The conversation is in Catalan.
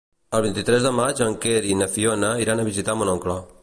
El vint-i-tres de maig en Quer i na Fiona iran a visitar mon oncle.